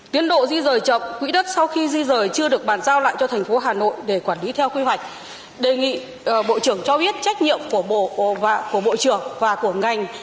tiến độ di rời chậm quỹ đất sau khi di rời chưa được bàn giao lại cho thành phố hà nội để quản lý theo quy hoạch đề nghị bộ trưởng cho biết trách nhiệm của bộ trưởng và của ngành